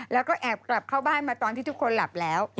แล้วก็แอบกลับเข้าบ้านมาตอนที่ทุกคนหลับแล้ว